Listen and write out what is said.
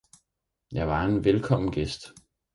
jeg var en velkommen Gjest.